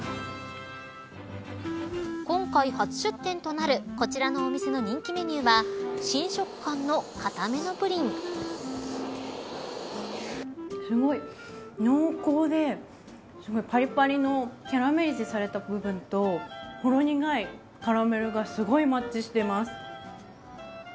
今回、初出店となるこちらのお店の人気メニューはすごい濃厚でぱりぱりのキャラメリゼされた部分とほろ苦い、カラメルの部分がすごいマッチしています。